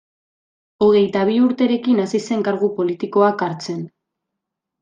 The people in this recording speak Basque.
Hogeita bi urterekin hasi zen kargu politikoak hartzen.